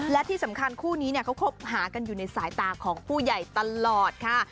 และที่สำคัญคู่นี้เขาคบหากันอยู่ในสายตาของผู้ใหญ่ตลอดค่ะ